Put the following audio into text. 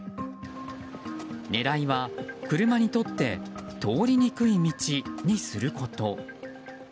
狙いは車にとって通りにくい道にすること。